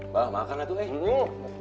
bapak makan lah tuh eh